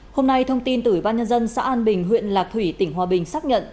hôm nay thông tin tử ban nhân dân xã an bình huyện lạc thủy tỉnh hòa bình xác nhận